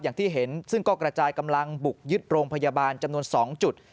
อย่างที่เห็นซึ่งก็กระจายกำลังบุกยึดโรงพยาบาลจำนวน๒จุด